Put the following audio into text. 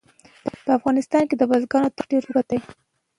په افغانستان کې د بزګانو تاریخ ډېر اوږد دی.